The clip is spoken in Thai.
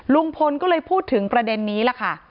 ลุงพลก็เลยพูดถึงประเด็นนี้ล่ะค่ะ